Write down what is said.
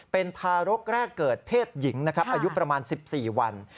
เป็นทารกแรกเกิดเพศหญิงนะครับอายุประมาณ๑๔วัน